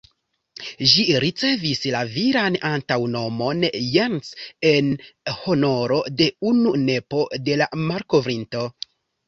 Ĝi ricevis la viran antaŭnomon ""Jens"" en honoro de unu nepo de la malkovrinto.